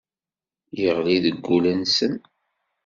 Yeɣli deg wul-nsen.